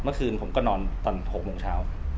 เมื่อคืนผมก็นอนตอน๖โมงเช้า